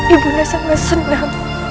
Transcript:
ibunda sangat senang